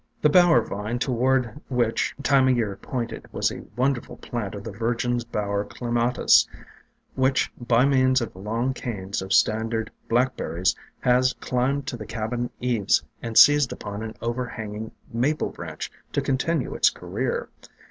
The Bower Vine toward which Time o' Year pointed was a wonderful plant of the Virgin's Bower Clematis, which, by means of long canes of standard Blackberries, had climbed to the cabin eaves and seized upon an overhanging Maple branch to continue its career.